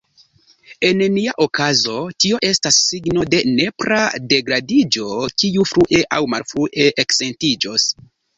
En nia okazo tio estas signo de nepra degradiĝo, kiu frue aŭ malfrue eksentiĝos.